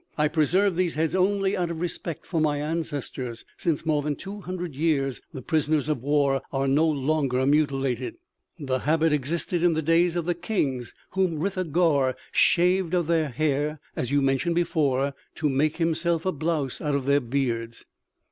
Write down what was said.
I preserve these heads only out of respect for my ancestors. Since more than two hundred years, the prisoners of war are no longer mutilated. The habit existed in the days of the kings whom Ritha Gaür shaved of their hair, as you mentioned before, to make himself a blouse out of their beards.